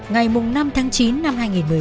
ngày năm tháng chín năm hai nghìn một mươi chín